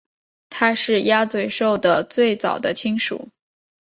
它是鸭嘴兽的最早的亲属。